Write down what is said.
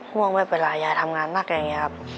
ห่วงว่าเวลายายทำงานหนักอย่างเงี้ยครับ